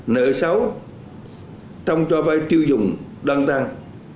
nợ sáu trong cho vai tiêu dùng đăng tăng